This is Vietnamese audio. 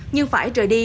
nhưng phải trời đi